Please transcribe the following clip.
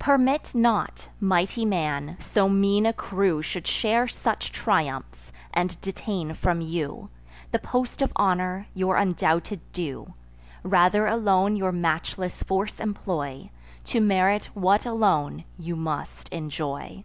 Permit not, mighty man, so mean a crew Should share such triumphs, and detain from you The post of honour, your undoubted due. Rather alone your matchless force employ, To merit what alone you must enjoy."